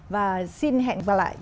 và xin hẹn gặp lại